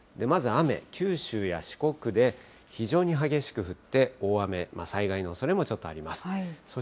まず雨、九州や四国で非常に激しく降って、大雨、災害のおそれもちょっとあります。